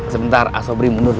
sebentar asobri mundur dulu